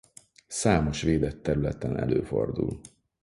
Számos védett területen előfordul.